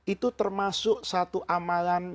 itu termasuk satu amalan